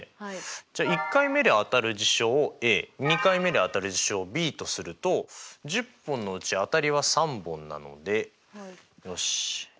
じゃあ１回目で当たる事象をＡ２回目で当たる事象をＢとすると１０本のうち当たりは３本なのでよしえ